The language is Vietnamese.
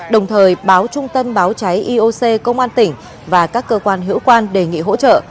đồng thời báo trung tâm báo cháy ioc công an tỉnh và các cơ quan hữu quan đề nghị hỗ trợ